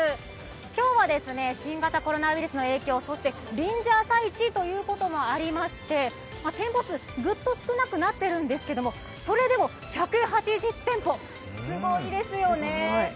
今日は新型コロナウイルスの影響、そして臨時朝市ということもありまして店舗数ぐっと少なくなっているんですけれども、それでも１８０店舗すごいですよね。